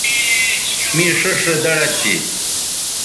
می ݜیئݜ رے دڑد تھی